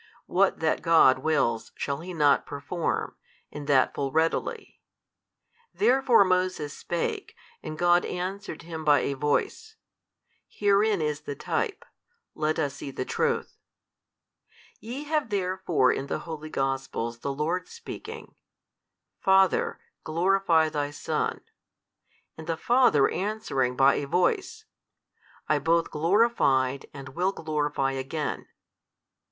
What that God wills shall He not perform, and that full readily? Therefore Moses spake, and God answered him by a voice. Herein is the type, let us see the truth. You have therefore in the holy Gospels the Lord speaking, Father, glorify Thy Son 2, and the Father answering by a voice, I both glorified, and will glorify again.